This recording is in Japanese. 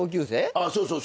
ああそうそう。